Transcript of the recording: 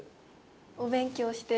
お勉強してる。